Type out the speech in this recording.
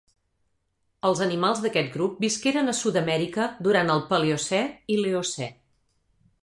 Els animals d'aquest grup visqueren a Sud-amèrica durant el Paleocè i l'Eocè.